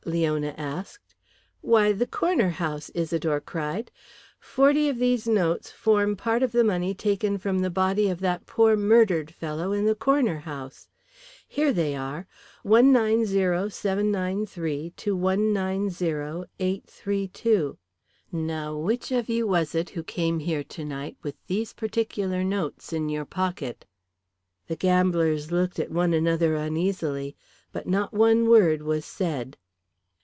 Leona asked. "Why, the corner house," Isidore cried. "Forty of these notes form part of the money taken from the body of that poor murdered fellow in the corner house. Here they are 190793 to 190832. Now which of you was it who came here tonight with these particular notes in your pocket?" The gamblers looked at one another uneasily, but not one word was said.